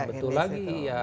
betul lagi ya